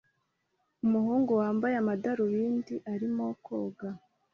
Umuhungu wambaye amadarubindi arimo koga